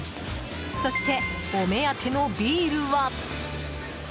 そして、お目当てのビールは。